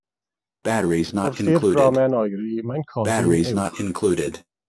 Wrth i'r gromen oeri, mae'n codi'n uwch.